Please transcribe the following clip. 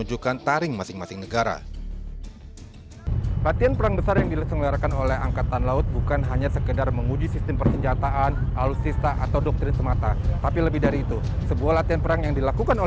orang saya teriak teriakin dari dua ribu tujuh mungkin